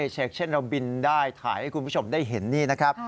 เช็คเช่นเราบินได้ถ่ายให้คุณผู้ชมได้เห็นนี่นะครับ